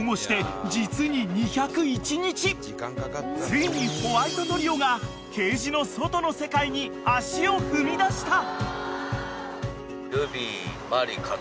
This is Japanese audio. ［ついにホワイトトリオがケージの外の世界に足を踏み出した］